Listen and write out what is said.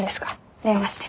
電話してて。